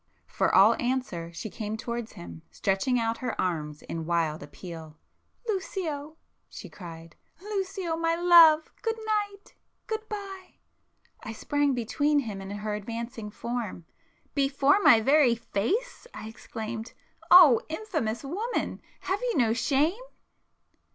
For all answer she came towards him, stretching out her arms in wild appeal. "Lucio!" she cried—"Lucio, my love! Good night!—Good bye!" I sprang between him and her advancing form. "Before my very face!" I exclaimed—"O infamous woman! Have you no shame?"